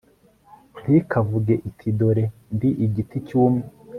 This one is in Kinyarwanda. ntikavuge iti dore ndi igiti cyumye